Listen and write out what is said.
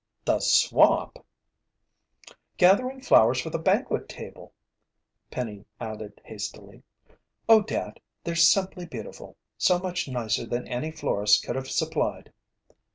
"The swamp!" "Gathering flowers for the banquet table," Penny added hastily. "Oh, Dad, they're simply beautiful so much nicer than any florist could have supplied."